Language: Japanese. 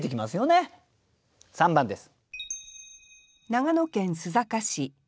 ３番です。